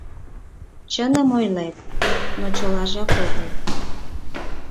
— Чыным ойлет, но чылажак огыл.